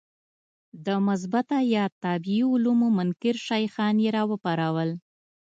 د مثبته یا طبیعي علومو منکر شیخان یې راوپارول.